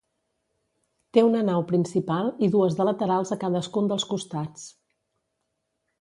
Té una nau principal i dues de laterals a cadascun dels costats.